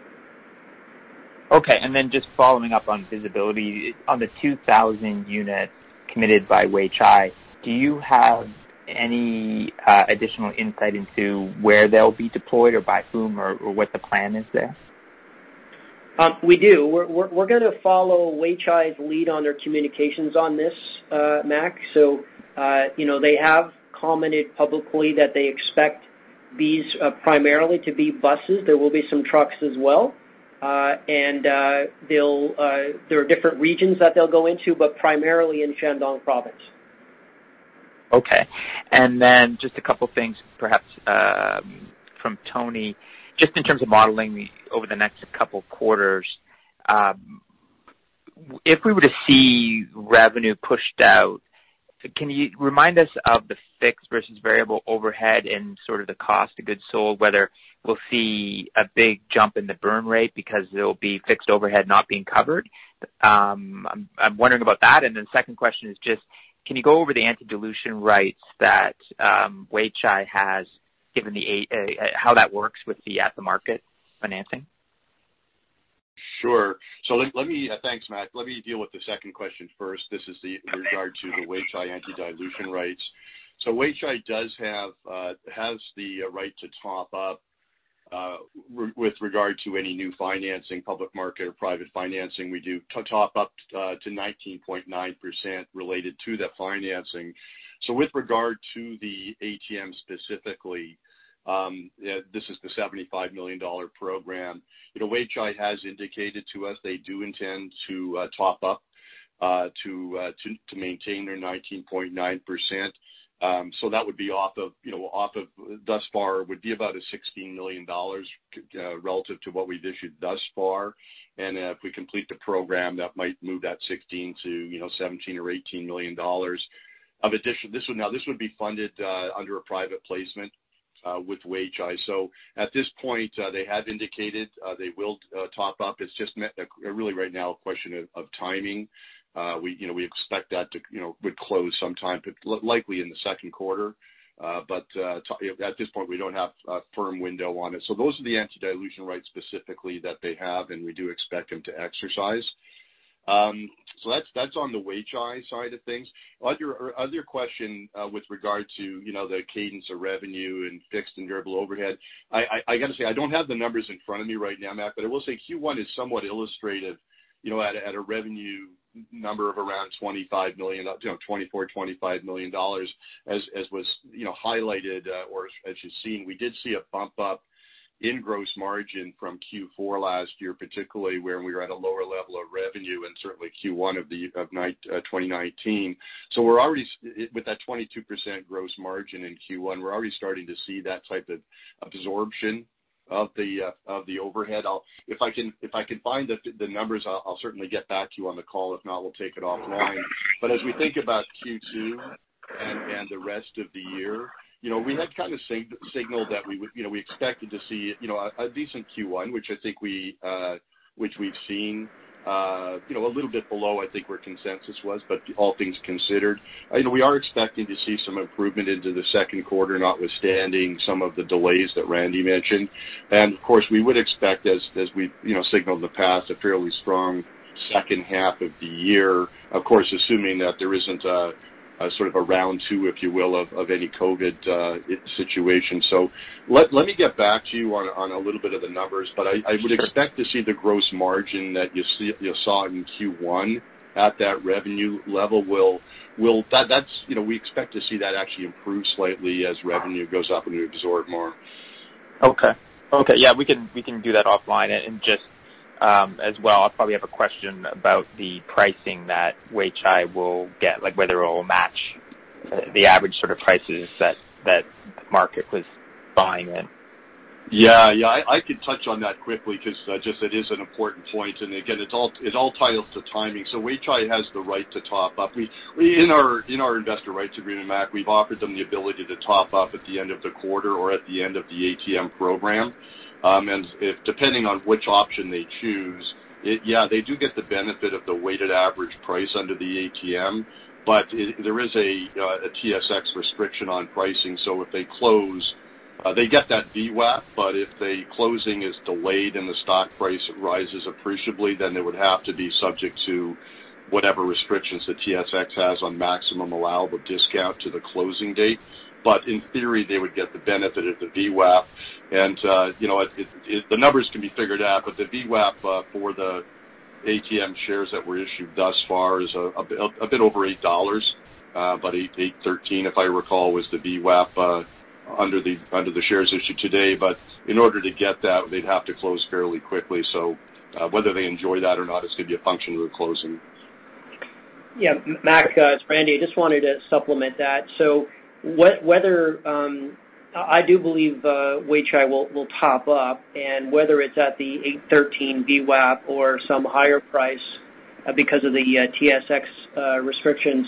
Just following up on visibility. On the 2,000 units committed by Weichai, do you have any additional insight into where they'll be deployed, or by whom, or what the plan is there? We do. We're gonna follow Weichai's lead on their communications on this, Mac. You know, they have commented publicly that they expect these primarily to be buses. There will be some trucks as well. There are different regions that they'll go into, but primarily in Shandong province. Okay. Just a couple things, perhaps, from Tony, just in terms of modeling over the next couple quarters. If we were to see revenue pushed out, can you remind us of the fixed versus variable overhead and sort of the cost of goods sold, whether we'll see a big jump in the burn rate because there'll be fixed overhead not being covered? I'm wondering about that. Second question is just, can you go over the anti-dilution rights that Weichai has, given how that works with the at-the-market financing? Sure. let me... Thanks, Mac. Let me deal with the second question first. Okay. Regard to the Weichai anti-dilution rights. Weichai does have has the right to top up with regard to any new financing, public market, or private financing. We do top up to 19.9% related to the financing. With regard to the ATM specifically, this is the $75 million program. You know, Weichai has indicated to us they do intend to top up to maintain their 19.9%. That would be off of, you know, off of, thus far, would be about a $16 million relative to what we've issued thus far. If we complete the program, that might move that 16 to, you know, $17 million or $18 million. Of addition, Now, this would be funded under a private placement with Weichai. At this point, they have indicated they will top up. It's just really, right now, a question of timing. We, you know, we expect that to, you know, would close sometime, but likely in the second quarter. But, at this point, we don't have a firm window on it. Those are the anti-dilution rights specifically that they have, and we do expect them to exercise. That's on the Weichai side of things. Other question with regard to, you know, the cadence of revenue and fixed and variable overhead. I gotta say, I don't have the numbers in front of me right now, Mac, but I will say Q1 is somewhat illustrative, you know, at a revenue number of around $25 million, you know, $24 million-$25 million, as was, you know, highlighted, or as you've seen. We did see a bump up in gross margin from Q4 last year, particularly where we were at a lower level of revenue and certainly Q1 of 2019. So we're already with that 22% gross margin in Q1, we're already starting to see that type of absorption of the overhead. If I can find the numbers, I'll certainly get back to you on the call. If not, we'll take it offline. As we think about Q2 and the rest of the year, you know, we had kind of signaled that we would, you know, we expected to see, you know, a decent Q1, which I think we, which we've seen, you know, a little bit below, I think, where consensus was, but all things considered. You know, we are expecting to see some improvement into the second quarter, notwithstanding some of the delays that Randy mentioned. Of course, we would expect as we, you know, signaled in the past, a fairly strong second half of the year. Of course, assuming that there isn't a sort of a round two, if you will, of any COVID situation. Let me get back to you on a little bit of the numbers. Sure. I would expect to see the gross margin that you see, you saw in Q1 at that revenue level will. That's, you know, we expect to see that actually improve slightly as revenue goes up and we absorb more. Okay. Okay, yeah, we can do that offline. Just as well, I probably have a question about the pricing that Weichai will get, like, whether it will match the average sort of prices that market was buying in. Yeah, yeah. I could touch on that quickly, because just it is an important point, and again, it all ties to timing. Weichai has the right to top up. We, in our, in our investor rights agreement, Mac, we've offered them the ability to top up at the end of the quarter or at the end of the ATM program. If, depending on which option they choose, yeah, they do get the benefit of the weighted average price under the ATM, but there is a TSX restriction on pricing. If they close, they get that VWAP, but if the closing is delayed and the stock price rises appreciably, then they would have to be subject to whatever restrictions the TSX has on maximum allowable discount to the closing date. In theory, they would get the benefit of the VWAP. You know, the numbers can be figured out, but the VWAP for the ATM shares that were issued thus far is a bit over $8, but $8.13, if I recall, was the VWAP under the shares issued today. In order to get that, they'd have to close fairly quickly. Whether they enjoy that or not, it's going to be a function of the closing. Yeah, Mac, it's Randy. I just wanted to supplement that. What, whether, I do believe Weichai will top up, and whether it's at the 8.13 VWAP or some higher price, because of the TSX restrictions,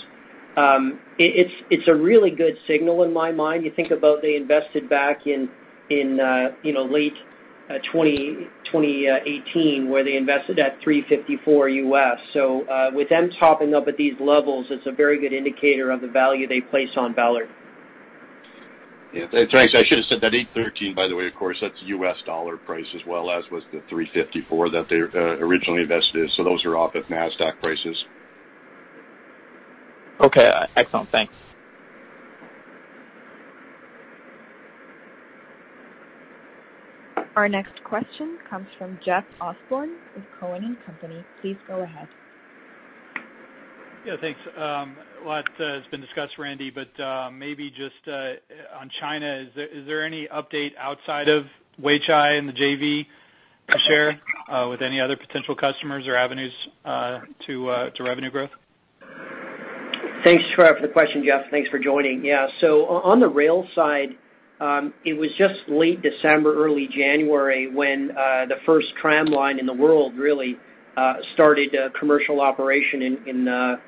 it's a really good signal in my mind. You think about they invested back in, you know, late 2018, where they invested at $3.54 U.S. With them topping up at these levels, it's a very good indicator of the value they place on Ballard. Yeah, thanks. I should have said that $8.13, by the way, of course, that's U.S. dollar price as well, as was the $3.54 that they originally invested in. Those are off at Nasdaq prices. Okay, excellent. Thanks. Our next question comes from Jeff Osborne with Cowen and Company. Please go ahead. Thanks. A lot has been discussed, Randy, maybe just on China, is there any update outside of Weichai and the JV to share with any other potential customers or avenues to revenue growth? Thanks for the question, Jeff. Thanks for joining. On the rail side, it was just late December, early January, when the first tram line in the world really started a commercial operation in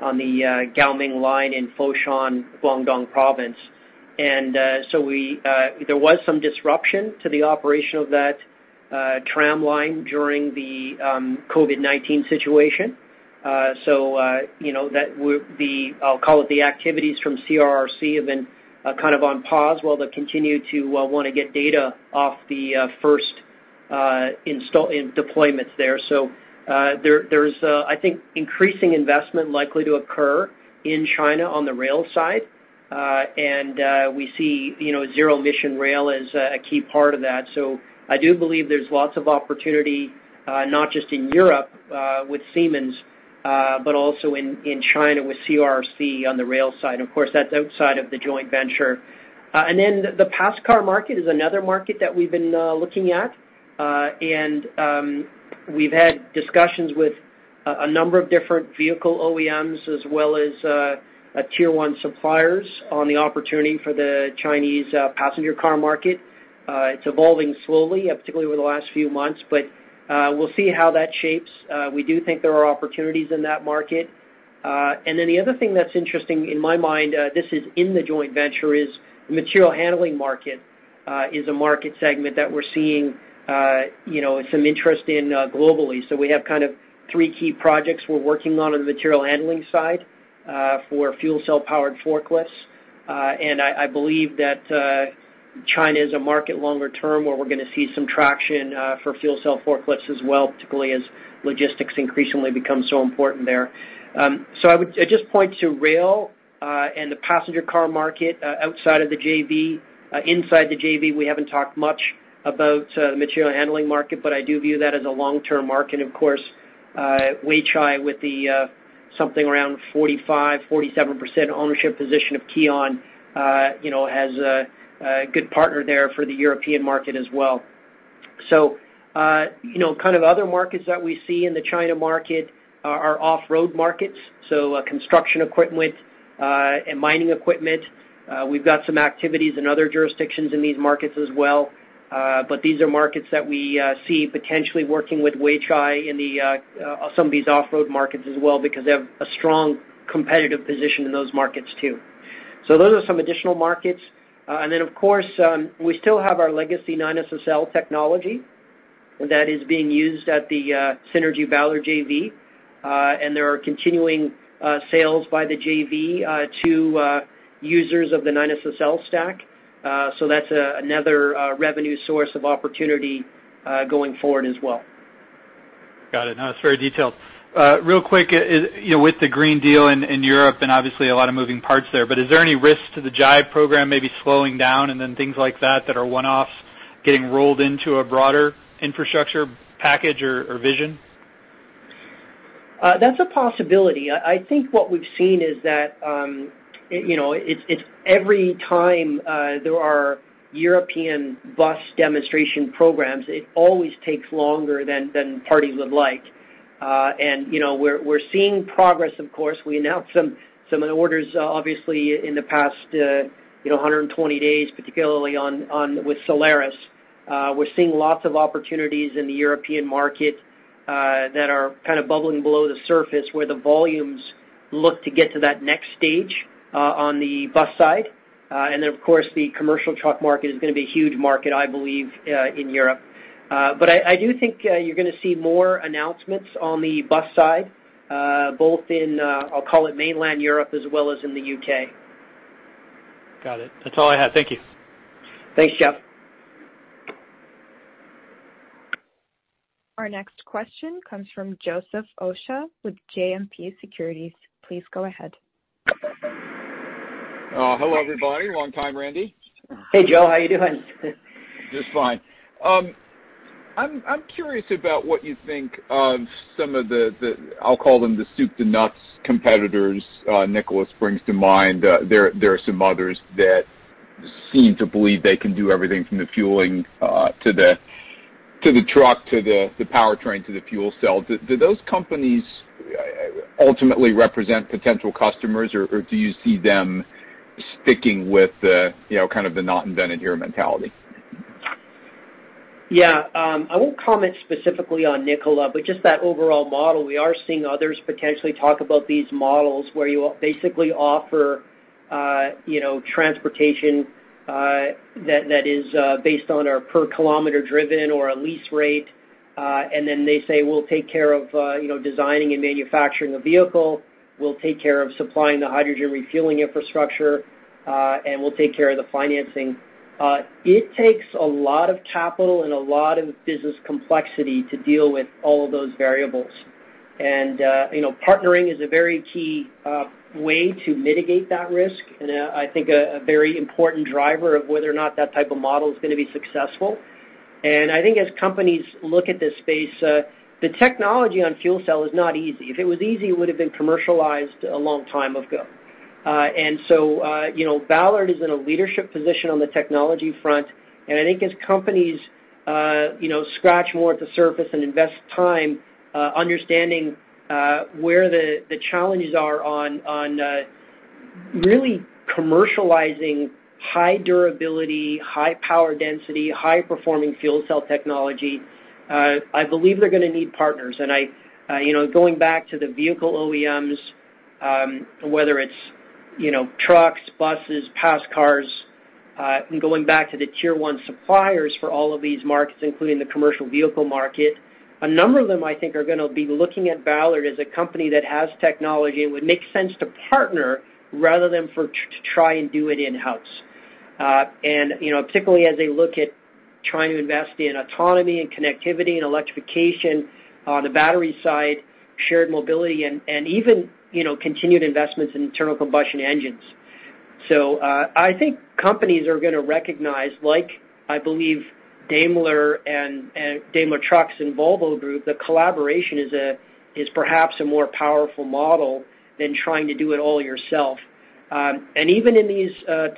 on the Gaoming line in Foshan, Guangdong Province. There was some disruption to the operation of that tram line during the COVID-19 situation. You know, that would be, I'll call it, the activities from CRRC have been kind of on pause while they continue to want to get data off the first in deployments there. There's, I think, increasing investment likely to occur in China on the rail side. We see, you know, zero emission rail as a key part of that. I do believe there's lots of opportunity, not just in Europe, with Siemens, but also in China with CRRC on the rail side. Of course, that's outside of the joint venture. The passenger car market is another market that we've been looking at. We've had discussions with a number of different vehicle OEMs, as well as a Tier 1 suppliers on the opportunity for the Chinese passenger car market. It's evolving slowly, particularly over the last few months, but we'll see how that shapes. We do think there are opportunities in that market. The other thing that's interesting in my mind, this is in the joint venture, is the material handling market, is a market segment that we're seeing, you know, some interest in, globally. We have kind of three key projects we're working on the material handling side, for fuel cell-powered forklifts. I believe that, China is a market longer term, where we're going to see some traction, for fuel cell forklifts as well, particularly as logistics increasingly become so important there. I'd just point to rail, the passenger car market, outside of the JV. Inside the JV, we haven't talked much about, the material handling market, but I do view that as a long-term market. Weichai, with the something around 45%-47% ownership position of Kion, you know, has a good partner there for the European market as well. You know, kind of other markets that we see in the China market are off-road markets, so construction equipment and mining equipment. We've got some activities in other jurisdictions in these markets as well, but these are markets that we see potentially working with Weichai in some of these off-road markets as well, because they have a strong competitive position in those markets, too. Those are some additional markets. We still have our legacy Nine SSL technology that is being used at the Synergy Ballard JV. There are continuing sales by the JV to users of the Nine SSL stack. That's another revenue source of opportunity going forward as well. Got it. It's very detailed. Real quick, you know, with the Green Deal in Europe and obviously a lot of moving parts there, is there any risk to the JIVE program maybe slowing down and then things like that are one-offs getting rolled into a broader infrastructure package or vision? That's a possibility. I think what we've seen is that, you know, it's every time there are European bus demonstration programs, it always takes longer than parties would like. You know, we're seeing progress, of course. We announced some orders, obviously, in the past, you know, 120 days, particularly on with Solaris. We're seeing lots of opportunities in the European market that are kind of bubbling below the surface, where the volumes look to get to that next stage on the bus side. Of course, the commercial truck market is gonna be a huge market, I believe, in Europe. I do think, you're gonna see more announcements on the bus side, both in, I'll call it mainland Europe as well as in the UK. Got it. That's all I have. Thank you. Thanks, Jeff. Our next question comes from Joseph Osha with JMP Securities. Please go ahead. Hello, everybody. Long time, Randy. Hey, Joe. How you doing? Just fine. I'm curious about what you think of some of the soup to nuts competitors. Nikola brings to mind, there are some others that seem to believe they can do everything from the fueling to the truck, to the powertrain, to the fuel cell. Do those companies ultimately represent potential customers, or do you see them sticking with the, you know, kind of the not invented here mentality? Yeah, I won't comment specifically on Nikola, but just that overall model, we are seeing others potentially talk about these models, where you basically offer, you know, transportation that is based on our per-kilometer driven or a lease rate. Then they say, "We'll take care of, you know, designing and manufacturing the vehicle. We'll take care of supplying the hydrogen refueling infrastructure, and we'll take care of the financing." It takes a lot of capital and a lot of business complexity to deal with all of those variables. You know, partnering is a very key way to mitigate that risk, and I think a very important driver of whether or not that type of model is gonna be successful. I think as companies look at this space, the technology on fuel cell is not easy. If it was easy, it would have been commercialized a long time ago. So, you know, Ballard is in a leadership position on the technology front. I think as companies, you know, scratch more at the surface and invest time, understanding, where the challenges are on, really commercializing high durability, high power density, high-performing fuel cell technology, I believe they're gonna need partners. You know, going back to the vehicle OEMs, whether it's, you know, trucks, buses, passenger cars, and going back to the Tier 1 suppliers for all of these markets, including the commercial vehicle market, a number of them, I think, are gonna be looking at Ballard as a company that has technology and would make sense to partner than to try and do it in-house. You know, particularly as they look at trying to invest in autonomy and connectivity and electrification on the battery side, shared mobility and even, you know, continued investments in internal combustion engines. I think companies are gonna recognize, like, I believe Daimler and Daimler Trucks and Volvo Group, that collaboration is perhaps a more powerful model than trying to do it all yourself. Even in these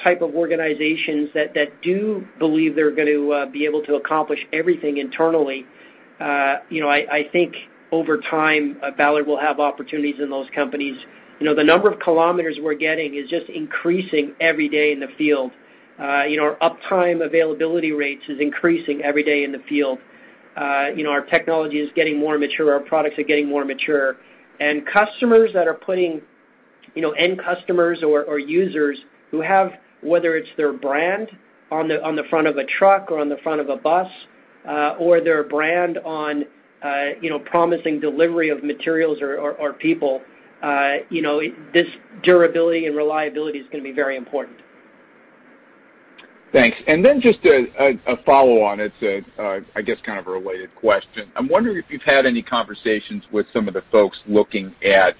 type of organizations that do believe they're going to be able to accomplish everything internally, you know, I think over time, Ballard will have opportunities in those companies. You know, the number of kilometers we're getting is just increasing every day in the field. You know, our uptime availability rates is increasing every day in the field. You know, our technology is getting more mature, our products are getting more mature. Customers that are putting, you know, end customers or users who have, whether it's their brand on the front of a truck or on the front of a bus, or their brand on, you know, promising delivery of materials or people, you know, this durability and reliability is gonna be very important. Thanks. Just a follow-on. It's I guess kind of a related question. I'm wondering if you've had any conversations with some of the folks looking at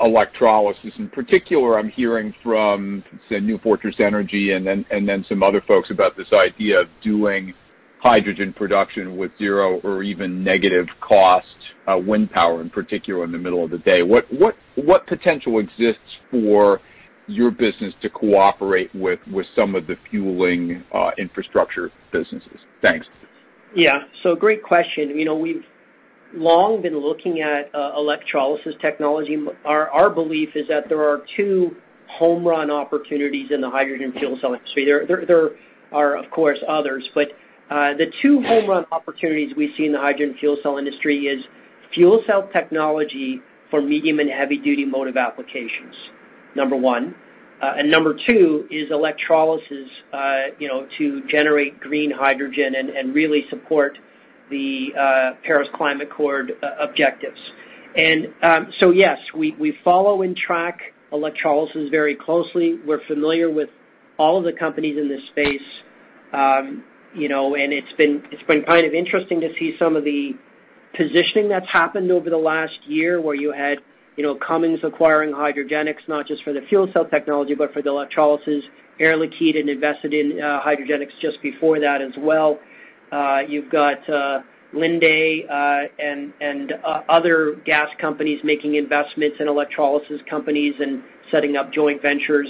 electrolysis. In particular, I'm hearing from, say, New Fortress Energy and then some other folks about this idea of doing hydrogen production with zero or even negative cost wind power, in particular in the middle of the day. What potential exists for your business to cooperate with some of the fueling infrastructure businesses? Thanks. Great question. You know, we've long been looking at electrolysis technology. Our belief is that there are two home run opportunities in the hydrogen fuel cell industry. There are, of course, others. The two home run opportunities we see in the hydrogen fuel cell industry is fuel cell technology for medium and heavy-duty motive applications, number one. Number two is electrolysis, you know, to generate green hydrogen and really support the Paris Climate Accord objectives. Yes, we follow and track electrolysis very closely. We're familiar with all of the companies in this space. You know, it's been kind of interesting to see some of the positioning that's happened over the last year, where you had, you know, Cummins acquiring Hydrogenics, not just for the fuel cell technology, but for the electrolysis. Air Liquide had invested in Hydrogenics just before that as well. You've got Linde and other gas companies making investments in electrolysis companies and setting up joint ventures.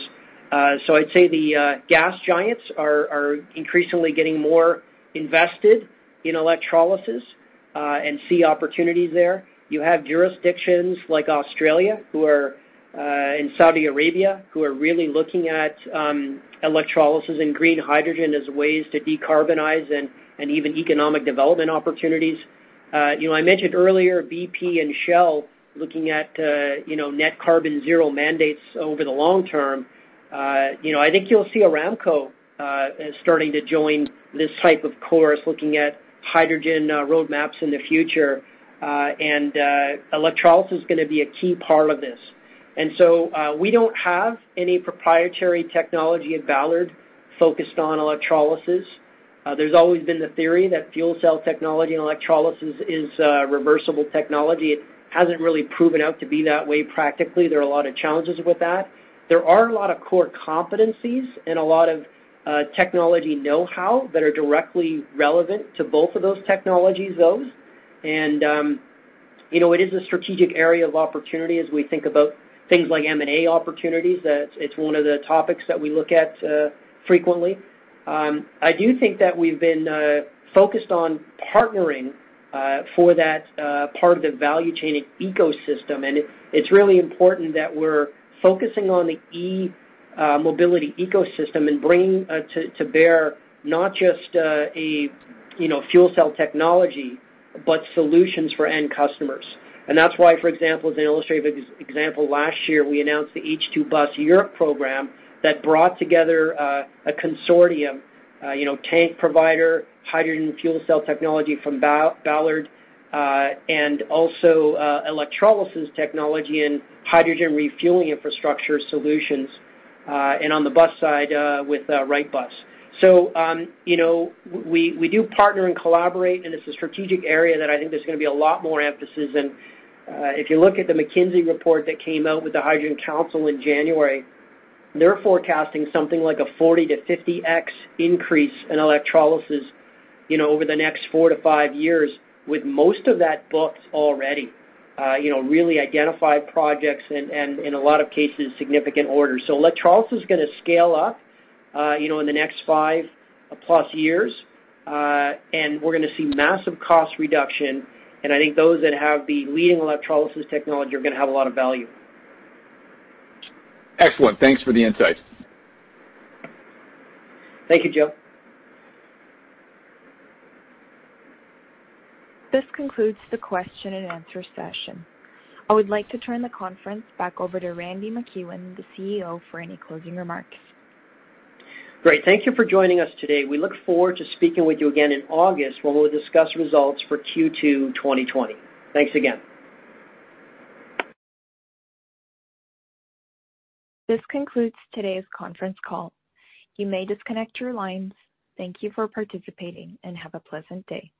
I'd say the gas giants are increasingly getting more invested in electrolysis. See opportunities there. You have jurisdictions like Australia and Saudi Arabia, who are really looking at electrolysis and green hydrogen as ways to decarbonize and even economic development opportunities. You know, I mentioned earlier, BP and Shell looking at, you know, net carbon zero mandates over the long term. You know, I think you'll see Aramco starting to join this type of course, looking at hydrogen roadmaps in the future, electrolysis is gonna be a key part of this. We don't have any proprietary technology at Ballard focused on electrolysis. There's always been the theory that fuel cell technology and electrolysis is reversible technology. It hasn't really proven out to be that way practically. There are a lot of challenges with that. There are a lot of core competencies and a lot of technology know-how that are directly relevant to both of those technologies, though. You know, it is a strategic area of opportunity as we think about things like M&A opportunities. It's one of the topics that we look at frequently. I do think that we've been focused on partnering for that part of the value chain and ecosystem, and it's really important that we're focusing on the e mobility ecosystem and bringing to bear not just you know, fuel cell technology, but solutions for end customers. That's why, for example, as an illustrative example, last year, we announced the H2BusEurope program that brought together a consortium, you know, tank provider, hydrogen fuel cell technology from Ballard, and also electrolysis technology and hydrogen refueling infrastructure solutions, and on the bus side, with Wrightbus. you know, we do partner and collaborate, and it's a strategic area that I think there's gonna be a lot more emphasis. If you look at the McKinsey report that came out with the Hydrogen Council in January, they're forecasting something like a 40x-50x increase in electrolysis, you know, over the next 4-5 years, with most of that booked already. You know, really identified projects and, in a lot of cases, significant orders. Electrolysis is gonna scale up, you know, in the next 5+ years, and we're gonna see massive cost reduction, and I think those that have the leading electrolysis technology are gonna have a lot of value. Excellent. Thanks for the insights. Thank you, Joe. This concludes the question and answer session. I would like to turn the conference back over to Randy MacEwen, the CEO, for any closing remarks. Great. Thank you for joining us today. We look forward to speaking with you again in August, when we'll discuss results for Q2 2020. Thanks again. This concludes today's conference call. You may disconnect your lines. Thank you for participating, and have a pleasant day.